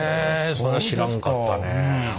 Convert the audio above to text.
それは知らんかったね。